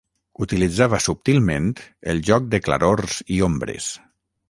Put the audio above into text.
Utilitzava subtilment el joc de clarors i ombres.